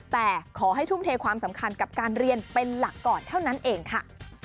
แต่ขอให้ทุ่มเทความสำคัญกับการเรียนเป็นหลักก่อนเท่านั้นเองค่ะ